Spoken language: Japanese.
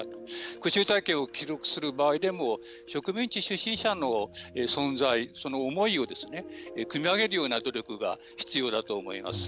苦渋体験を記録する場面でも植民地出身者の存在その思いを酌みあげるような努力が必要だと思います。